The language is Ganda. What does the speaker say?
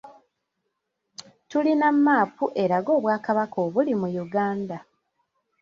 Tulina mmaapu eraga obwakabaka obuli mu Uganda.